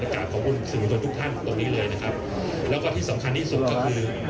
กลับขอบคุณสื่อชนทุกท่านตรงนี้เลยนะครับแล้วก็ที่สำคัญที่สุดก็คือ